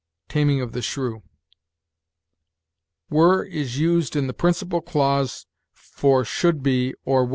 'Taming of the Shrew.' "Were is used in the principal clause for 'should be' or 'would be.'